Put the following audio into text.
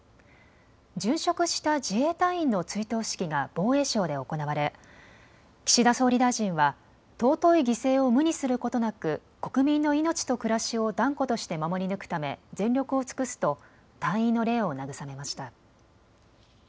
殉職した自衛隊員の追悼式が防衛省で行われ岸田総理大臣は尊い犠牲を無にすることなく国民の命と暮らしを断固として守り抜くため全力を尽くすと隊員の霊を慰めました。